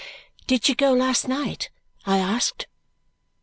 "Did she go last night?" I asked.